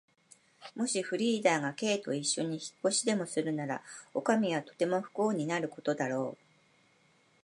もしフリーダが Ｋ といっしょに引っ越しでもするなら、おかみはとても不幸になることだろう。